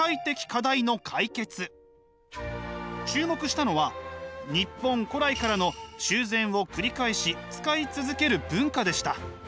注目したのは日本古来からの修繕を繰り返し使い続ける文化でした。